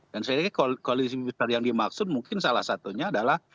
dan saya kira koalisi besar yang dimaksud mungkin salah satunya adalah